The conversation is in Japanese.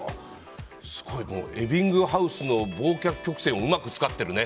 すごいエビングハウスの忘却曲線をうまく使ってるね。